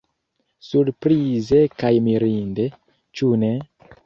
Surprize kaj mirinde, ĉu ne?